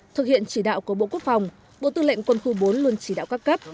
thực hiện chỉ đạo của bộ quốc phòng bộ tư lệnh quân khu bốn luôn chỉ đạo các cấp